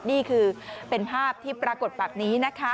นี่คือเป็นภาพที่ปรากฏแบบนี้นะคะ